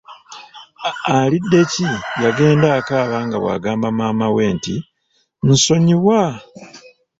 Aliddeki yagenda akaaba nga bwagamba maama we nti “nsonyiwa.”